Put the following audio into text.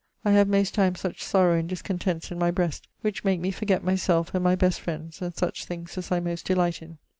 I have most times such sorrow and discontents in my breast which make me forget my selfe and my best friends and such things as I most delight in.